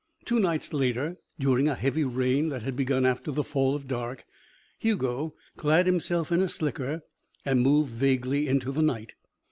Two nights later, during a heavy rain that had begun after the fall of dark, Hugo clad himself in a slicker and moved vaguely into the night.